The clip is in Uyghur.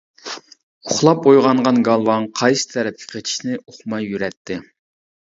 ئۇخلاپ ئويغانغان گالۋاڭ قايسى تەرەپكە قېچىشنى ئۇقماي يۈرەتتى.